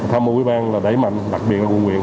tham mưu ủy ban là đẩy mạnh đặc biệt là quân nguyện